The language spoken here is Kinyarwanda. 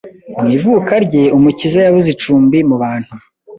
Mu ivuka rye, Umukiza yabuze icumbi mu bantu